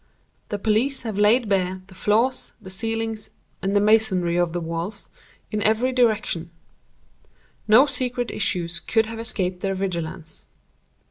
The police have laid bare the floors, the ceilings, and the masonry of the walls, in every direction. No secret issues could have escaped their vigilance.